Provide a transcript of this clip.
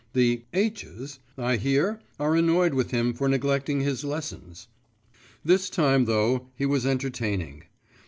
The H s, I hear, are annoyed with him for neglecting his lessons. This time, though, he was entertaining.